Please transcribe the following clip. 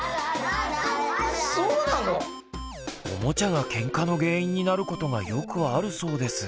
オモチャがケンカの原因になることがよくあるそうです。